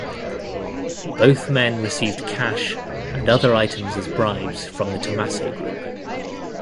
Both men received cash and other items as bribes from the Tomasso Group.